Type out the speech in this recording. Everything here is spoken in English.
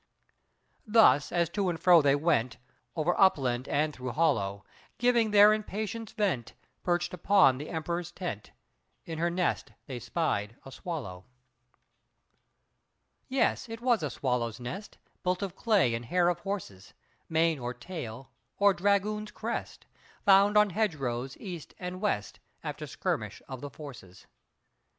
Thus, as to and fro they went, Over upland and through hollow, Giving their impatience vent, Perched upon the Emperor's tent, In her nest, they spied a swallow. Yes, it was a swallow's nest, Built of clay and hair of horses, Mane or tail, or dragoon's crest, Found on hedge rows east and west, After skirmish of the forces.